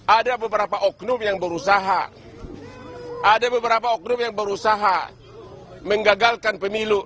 ada beberapa oknum yang berusaha ada beberapa oknum yang berusaha menggagalkan pemilu